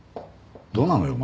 どうなのよ？